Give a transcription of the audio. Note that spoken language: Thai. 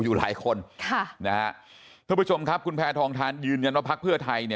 อยู่หลายคนท่านผู้ชมครับคุณแพททองทานยืนยันว่าพักเพื่อไทย